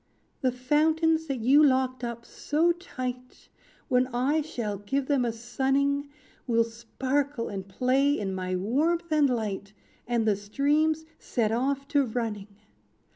"The fountains that you locked up so tight, When I shall give them a sunning, Will sparkle and play in my warmth and light, And the streams set off to running.